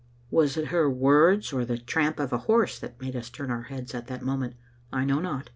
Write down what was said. " Was it her words or the tramp of a horse that made us turn our heads at that moment? I know not.